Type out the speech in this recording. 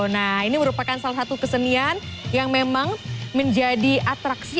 nah ini merupakan salah satu kesenian yang memang menjadi atraksi